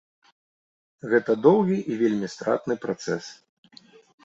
Гэта доўгі і вельмі стратны працэс.